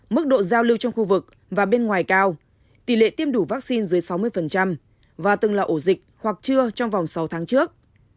mức độ giao lưu trong khu vực và bên ngoài cao tỷ lệ tiêm đủ vaccine dưới sáu mươi và từng là ổ dịch hoặc chưa trong vòng sáu tháng trước